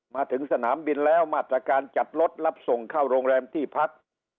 มาถึงสนามบินแล้วมาตรการจัดรถรับส่งเข้าโรงแรมที่พัก